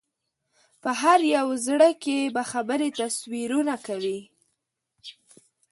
په هر یو زړه کې به خبرې تصویرونه کوي